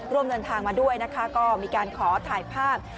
ร่วมเดินทางมาด้วยนะคะก็มีการขอถ่ายภาพ